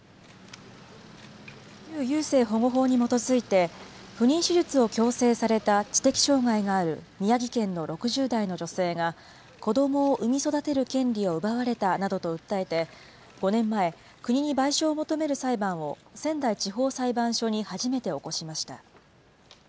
旧優生保護法に基づいて、不妊手術を強制された知的障害がある宮城県の６０代の女性が、子どもを産み育てる権利を奪われたなどと訴えて、５年前、国に賠償を求める裁判を仙台地方裁判所に初めて起こしました。